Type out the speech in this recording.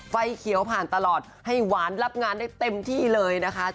ไฟเขียวผ่านตลอดให้หวานรับงานได้เต็มที่เลยนะคะ